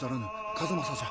数正じゃ。